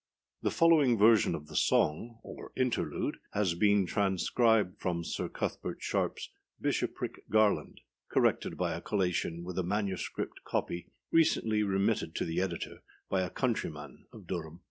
â The following version of the song, or interlude, has been transcribed from Sir C. Sharpâs Bishoprick Garland, corrected by collation with a MS. copy recently remitted to the editor by a countryman of Durham.